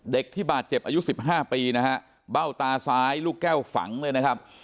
เด็กที่บาดเจ็บอายุ๑๕ปีนะฮะเบ้าตาซ้ายลูกแก้วฝังเลยนะครับ